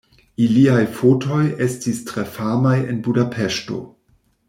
Iliaj fotoj estis tre famaj en Budapeŝto.